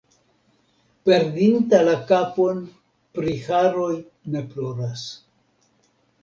Perdinta la kapon pri haroj ne ploras.